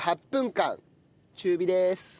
８分間中火です。